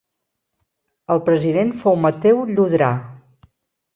El president fou Mateu Llodrà.